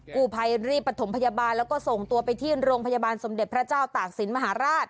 กู้ภัยรีบประถมพยาบาลแล้วก็ส่งตัวไปที่โรงพยาบาลสมเด็จพระเจ้าตากศิลปมหาราช